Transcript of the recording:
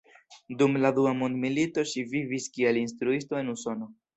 Dum la Dua Mondmilito ŝi vivis kiel instruisto en Usono.